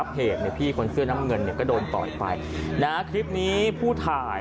ก็แค่มีเรื่องเดียวให้มันพอแค่นี้เถอะ